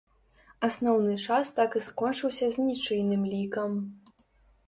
Асноўны час так і скончыўся з нічыйным лікам.